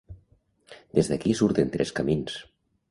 Des d'aquí surten tres camins.